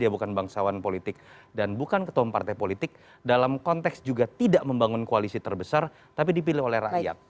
dia bukan bangsawan politik dan bukan ketua partai politik dalam konteks juga tidak membangun koalisi terbesar tapi dipilih oleh rakyat